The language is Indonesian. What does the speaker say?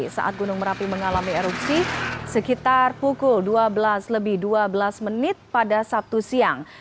saat gunung merapi mengalami erupsi sekitar pukul dua belas lebih dua belas menit pada sabtu siang